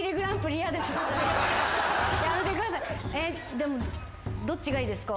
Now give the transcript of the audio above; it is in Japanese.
でもどっちがいいですか？